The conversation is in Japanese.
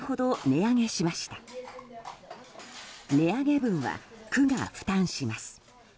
値上げ分は、区が負担します。